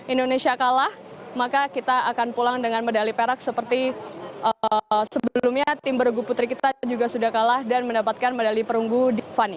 indonesia kalah maka kita akan pulang dengan medali perak seperti sebelumnya tim bergu putri kita juga sudah kalah dan mendapatkan medali perunggu di fanny